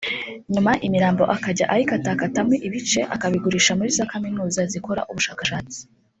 nyuma imirambo akajya ayikatakatamo ibice akabigurisha muri za Kaminuza zikora ubushakashatsi